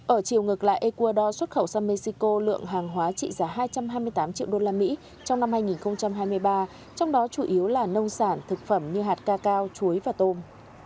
ở chiều ngược lại ecuador xuất khẩu sang mexico lượng hàng hóa trị giá hai trăm hai mươi tám triệu usd trong năm hai nghìn hai mươi ba trong đó chủ yếu là nông sản thực phẩm như hạt cacao chuối và tôm